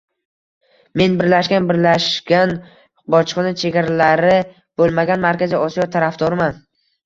Men birlashgan, birlashgan, bojxona chegaralari bo'lmagan Markaziy Osiyo tarafdoriman